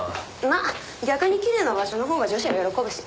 まあ逆にきれいな場所のほうが女子は喜ぶし。